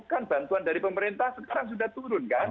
kan bantuan dari pemerintah sekarang sudah turun kan